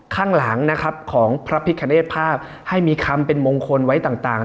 ข้างหลังนะครับของพระพิคเนตภาพให้มีคำเป็นมงคลไว้ต่าง